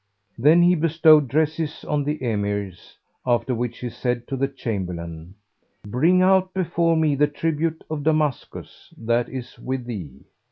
Then he bestowed dresses on the Emirs, after which he said to the Chamberlain, "Bring out before me the tribute of Damascus that is with thee."